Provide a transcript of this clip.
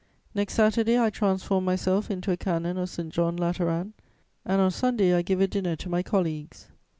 Next Saturday, I transform myself into a canon of St. John Lateran, and on Sunday I give a dinner to my colleagues.